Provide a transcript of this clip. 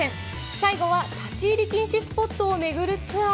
最後は立ち入り禁止スポットを巡るツアー。